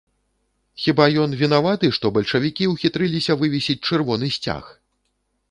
Хіба ён вінаваты, што бальшавікі ўхітрыліся вывесіць чырвоны сцяг?